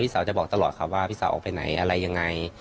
สาวจะบอกตลอดครับว่าพี่สาวออกไปไหนอะไรยังไง